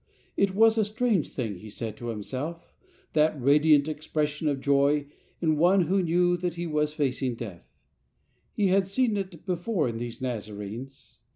It was a strange thing, he said to himself, that radiant expression of joy in one who knew that he was facing death. He had seen it before in these Nazarenes.